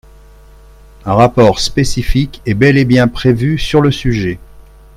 Un rapport spécifique est bel et bien prévu sur le sujet.